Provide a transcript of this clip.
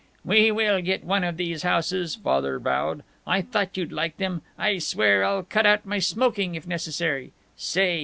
"We will get one of these houses!" Father vowed. "I thought you'd like them. I swear, I'll cut out my smoking, if necessary. Say!